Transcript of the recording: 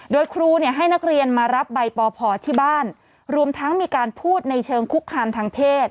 โดยครูเนี่ยให้นักเรียนมารับใบปพที่บ้านรวมทั้งมีการพูดในเชิงคุกคามทางเพศ